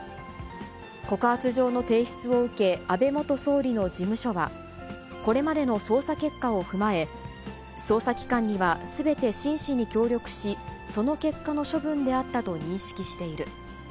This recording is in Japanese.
告発状の提出を受け、安倍元総理の事務所は、これまでの捜査結果を踏まえ、捜査機関にはすべて真摯に協力し、その結果の処分であったと認識している。